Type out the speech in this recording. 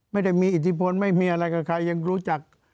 ไม่ได้มีอิทธิพลไม่มีอะไรกับใครยังรู้จัก